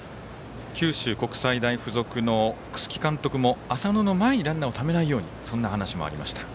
九州国際大付属の楠城監督も浅野の前にランナーをためないようにという話もありました。